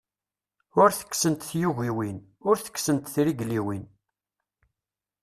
Ur tekksent tyugiwin, ur tekksent trigliwin.